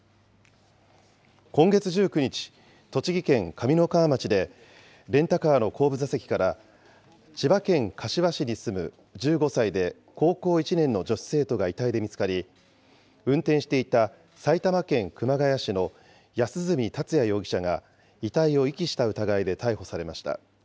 今月１９日、栃木県上三川町で、レンタカーの後部座席から、千葉県柏市に住む１５歳で高校１年の女子生徒が遺体で見つかり、運転していた埼玉県熊谷市の安栖達也容疑者が、遺体を遺棄した疑いで逮捕されました。